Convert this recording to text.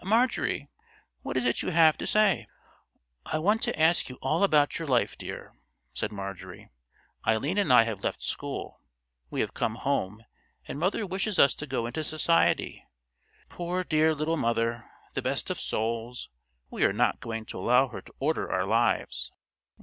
—Marjorie, what is it you have to say?" "I want to ask you all about your life, dear," said Marjorie. "Eileen and I have left school. We have come home, and mother wishes us to go into society—poor, dear little mother, the best of souls; but we are not going to allow her to order our lives."